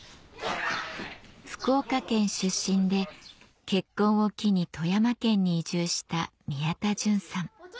福岡県出身で結婚を機に富山県に移住した宮田隼さん